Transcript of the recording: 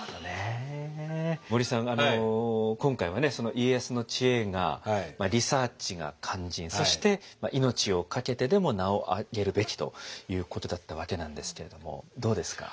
家康の知恵がリサーチが肝心そして命をかけてでも名をあげるべきということだったわけなんですけれどもどうですか？